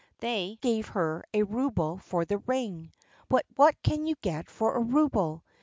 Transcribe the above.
They gave her a rouble for the ring ... but what can you get for a rouble?